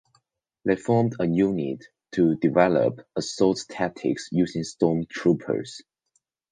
They formed a unit to develop assault tactics using storm troopers.